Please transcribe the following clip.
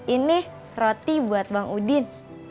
ini roti buat bang udin